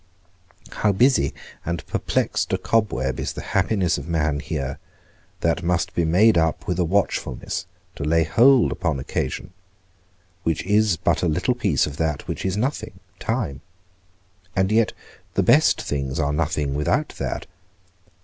How busy and perplexed a cobweb is the happiness of man here, that must be made up with a watchfulness to lay hold upon occasion, which is but a little piece of that which is nothing, time? and yet the best things are nothing without that.